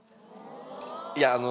いやあの。